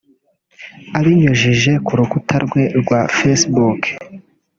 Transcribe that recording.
Abinyujije ku rukuta rwe rwa Faccebook